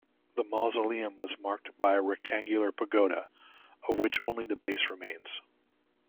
The mausoleum was marked by a rectangular pagoda, of which only the base remains.